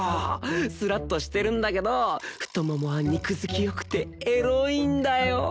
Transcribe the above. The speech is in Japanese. スラッとしてるんだけど太ももは肉づき良くてエロいんだよ。